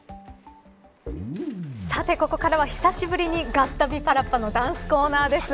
さて、ここからは久しぶりにガッタビ！！パラッパ！のダンスコーナーです。